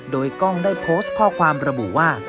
โดยกล้องได้โพสต์ข้อความระบุว่า